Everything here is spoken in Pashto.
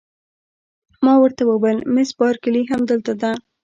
ما ورته وویل: مس بارکلي همدلته ده؟